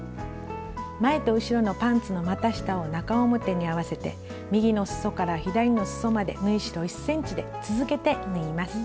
前と後ろのパンツのまた下を中表に合わせて右のすそから左のすそまで縫い代１ｃｍで続けて縫います。